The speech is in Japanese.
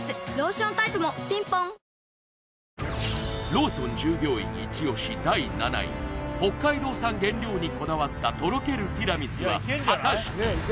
ローソン従業員イチ押し第７位北海道産原料にこだわったとろけるティラミスは果たして？